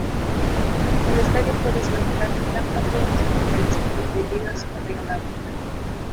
El estadio fue desmantelado y gran parte de los materiales fueron vendidos o regalados.